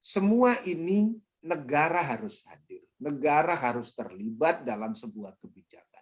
semua ini negara harus hadir negara harus terlibat dalam sebuah kebijakan